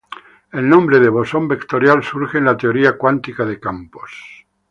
El nombre de "bosón vectorial" surge en la teoría cuántica de campos.